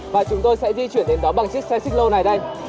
và chúng tôi sẽ di chuyển đến đó bằng chiếc xe xích lô này đây